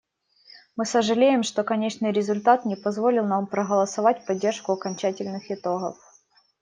Мы сожалеем, что конечный результат не позволил нам проголосовать в поддержку окончательных итогов.